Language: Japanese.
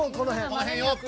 この辺よ。